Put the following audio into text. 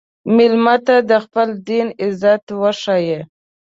مېلمه ته د خپل دین عزت وښیه.